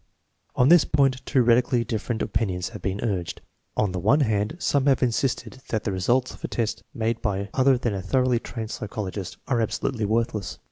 On this point two radically different opin ions have been urged. On the one hand, some have insisted that the results of a test made by other than a thoroughly trained psychologist are absolutely worthless.